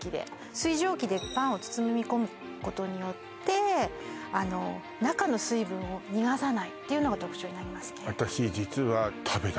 水蒸気でパンを包み込むことによって中の水分を逃がさないというのが特徴になりますね。